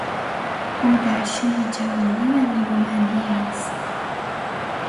او در شور جوانی و نیرومندی است.